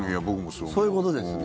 そういうことですね。